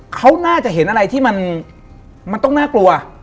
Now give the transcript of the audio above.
เขาน่าจะเห็นอะไรที่มันต้องน่ากลัว